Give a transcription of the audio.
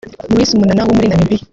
Luis Munana wo muri Namibia